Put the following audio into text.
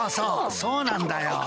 そうなんだよ。